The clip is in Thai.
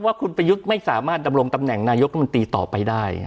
ว่าคุณประยุทธ์ไม่สามารถดำรงตำแหน่งนายกรัฐมนตรีต่อไปได้